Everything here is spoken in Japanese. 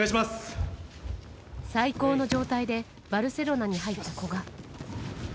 最高の状態で、バルセロナに入った古賀。